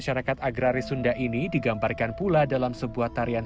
sampai jumpa di video selanjutnya